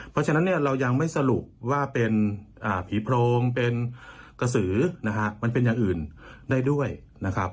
เพราะฉะนั้นเนี่ยเรายังไม่สรุปว่าเป็นผีโพรงเป็นกระสือนะฮะมันเป็นอย่างอื่นได้ด้วยนะครับ